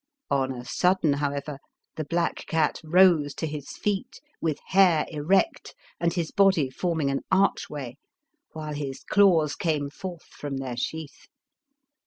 On a sudden, however, the black cat rose to his feet with hair erect and his body forming an archway, while his claws came forth from their sheath.